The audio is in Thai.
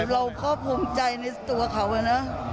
เราก็ภูมิใจในตัวเขานะ